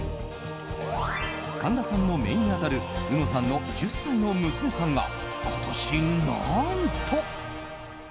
神田さんのめいに当たるうのさんの１０歳の娘さんが今年、何と。